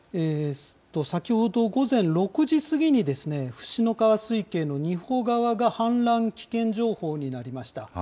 先ほど午前６時過ぎに、椹野川水系の仁保川が氾濫危険情報になりました。